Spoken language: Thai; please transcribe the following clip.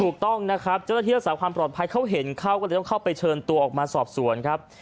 ถูกต้องนะครับเจ้าหน้าที่รักษาความปลอดภัยเขาเห็นเขาก็เลยต้องเข้าไปเชิญตัวออกมาสอบสวนครับ